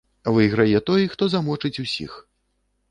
Выйграе той, хто замочыць усіх.